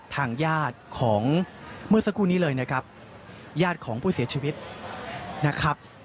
ทางญาติของเมื่อสักครู่นี้เลยนะครับญาติของผู้เสียชีวิตนะครับ